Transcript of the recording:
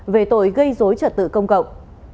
về tội gây dối trật tự công cộng